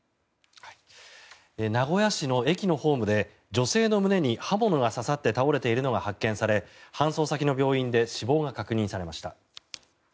名古屋市の駅のホームで女性の胸に刃物が刺さって倒れているのが発見され搬送先の病院で死亡が確認されました。